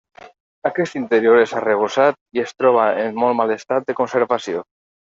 Aquest interior és arrebossat i es troba en molt mal estat de conservació.